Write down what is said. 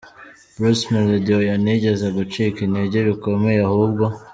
Bruce Melody: Oya, nigeze gucika intege bikomeye ahubwo.